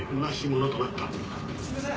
すいません！